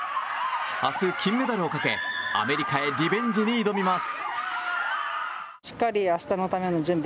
明日、金メダルをかけアメリカへリベンジに挑みます。